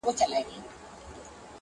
لا پر ونو باندي نه ووګرځېدلی -